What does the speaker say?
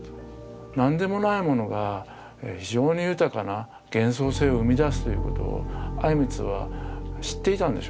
何でもないものが非常に豊かな幻想性を生み出すということを靉光は知っていたんでしょうね。